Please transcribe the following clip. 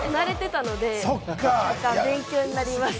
勉強になりました。